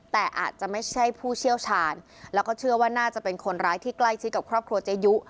แต่อาจจะไม่ใช่ผู้เชี่ยวชาญแล้วก็เชื่อว่าน่าจะเป็นคนร้ายที่ใกล้ชิดกับครอบครัวเจยุ